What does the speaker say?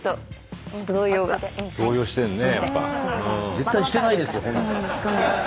絶対してないですよ。